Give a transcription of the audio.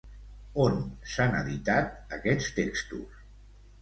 On s'han editat aquests textos?